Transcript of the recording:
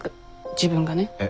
自分がね。え？